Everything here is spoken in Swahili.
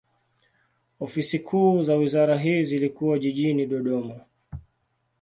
Ofisi kuu za wizara hii zilikuwa jijini Dodoma.